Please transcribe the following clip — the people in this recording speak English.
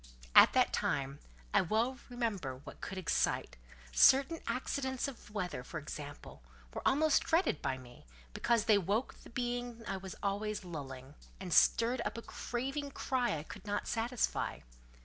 At that time, I well remember whatever could excite—certain accidents of the weather, for instance, were almost dreaded by me, because they woke the being I was always lulling, and stirred up a craving cry I could not satisfy.